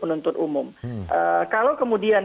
penuntut umum kalau kemudian